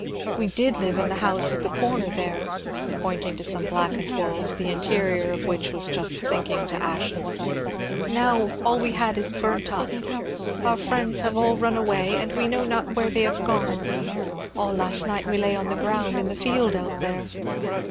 " We did live in the house at the comer there," pointing to some blackened walls, the interior of which was just sinking to ashes ;'^ now all we had is burnt up. Our friends have all run away, and we know not where they have gone. All last night we lay on the ground in the field out there."